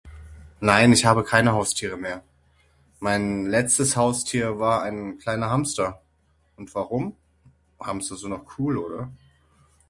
Nein ich habe keine Haustiere mehr. Mein letztes Haustier war ein kleiner Hamster und warum? Hamster sind doch cool oder?